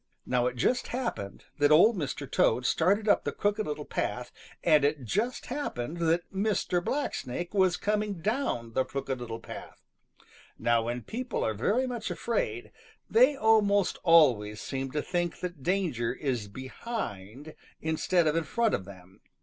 Now it just happened that Old Mr. Toad started up the Crooked Little Path, and it just happened that Mr. Blacksnake was coming down the Crooked Little Path. Now when people are very much afraid, they almost always seem to think that danger is behind instead of in front of them.